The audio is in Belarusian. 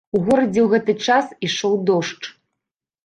У горадзе ў гэты час ішоў дождж.